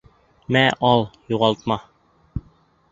Мә, ал, юғалтма!